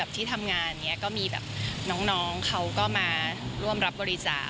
ที่ทำงานอย่างนี้ก็มีแบบน้องเขาก็มาร่วมรับบริจาค